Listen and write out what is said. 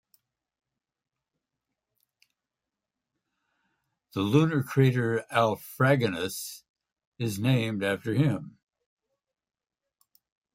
The lunar crater "Alfraganus" is named after him.